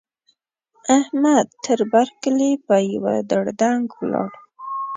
احمد؛ تر بر کلي په يوه دړدنګ ولاړ.